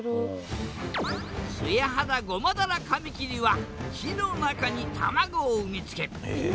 ツヤハダゴマダラカミキリは木の中に卵を産み付ける。